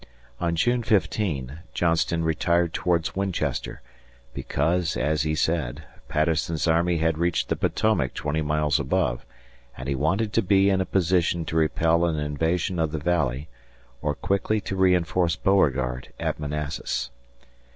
On June 15, Johnston retired towards Winchester, because, as he said, Patterson's army had reached the Potomac twenty miles above, and he wanted to be in a position to repel an invasion of the Valley, or quickly to reinforce Beauregard at Manassas.